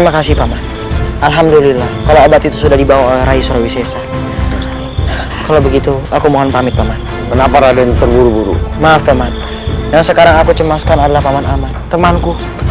asalkan kalian menjadi pengikut